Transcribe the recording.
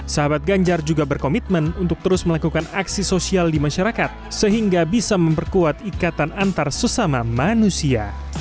sahabat ganjar juga berkomitmen untuk terus melakukan aksi sosial di masyarakat sehingga bisa memperkuat ikatan antar sesama manusia